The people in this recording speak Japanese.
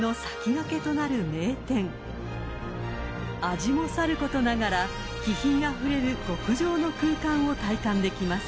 ［味もさることながら気品あふれる極上の空間を体感できます］